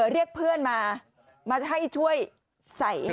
เรียกเพื่อนมามาให้ช่วยใส่